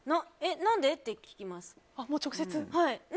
何でって聞きます。